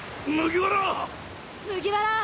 麦わら！